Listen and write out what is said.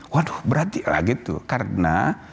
waduh berarti lagi itu karena